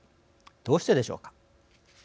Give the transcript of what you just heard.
どうしてでしょうか。